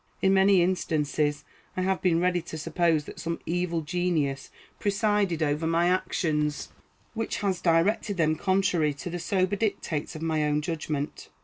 In many instances I have been ready to suppose that some evil genius presided over my actions, which has directed them contrary to the sober dictates of my own judgment.